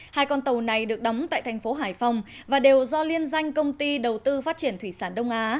hai con tàu này được đóng tại thành phố hải phòng và đều do liên danh công ty đầu tư phát triển thủy sản đông á